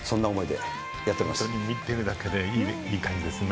見てるだけでいい感じですね。